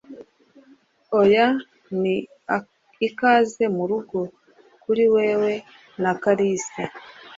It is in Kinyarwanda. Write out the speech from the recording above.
Oya, ni ikaze murugo - kuri wewe na Kalisa.